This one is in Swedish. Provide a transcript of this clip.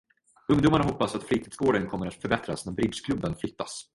Ungdomarna hoppas att fritidsgården kommer att förbättras när bridgeklubben flyttas.